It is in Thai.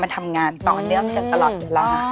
มันทำงานต่อเนื่องกันตลอดเวลา